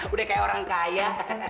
udah kayak orang kaya